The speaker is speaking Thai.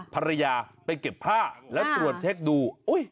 ภรรยาไปเก็บผ้าแล้วตรวจเช็คดู